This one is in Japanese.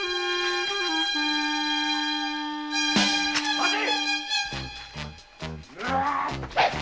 待て！